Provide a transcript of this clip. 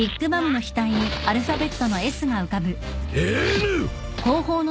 Ｎ！